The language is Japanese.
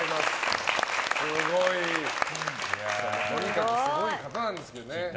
とにかくすごい方なんですよね。